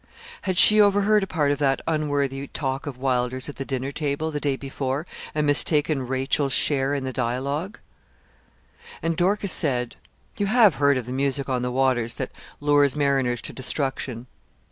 Had she overheard a part of that unworthy talk of Wylder's at the dinner table, the day before, and mistaken Rachel's share in the dialogue? And Dorcas said 'You have heard of the music on the waters that lures mariners to destruction.